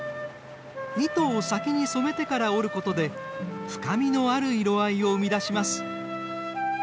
糸を先に染めてから織ることで深みのある色合いを生み出します。